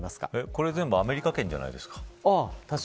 これ全部アメリカ圏じゃないですか。